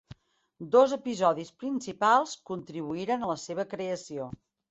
Dos episodis principals contribuïren a la seva creació.